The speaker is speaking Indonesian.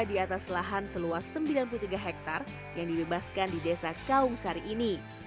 di atas lahan seluas sembilan puluh tiga hektare yang dibebaskan di desa kaungsari ini